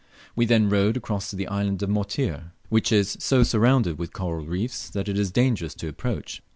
We then rowed across to the island of Motir, which is so surrounded with coral reefs that it is dangerous to approach.